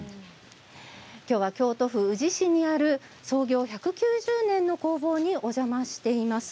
今日は京都府宇治市にある創業１９０年の工房にお邪魔しています。